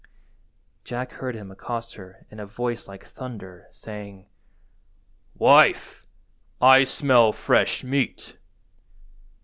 Jack heard him accost her in a voice like thunder, saying— "Wife, I smell fresh meat."